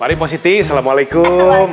mari pak ustadz assalamualaikum